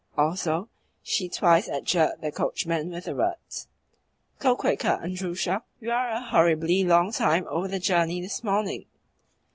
Also, she twice adjured the coachman with the words, "Go quicker, Andrusha! You are a horribly long time over the journey this morning."